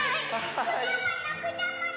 くだものくだもの！